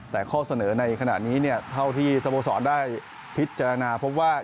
แต่ข้อเสนอในขณะนี้เนี่ยเท่าที่สโมสรได้พิจารณาพบว่า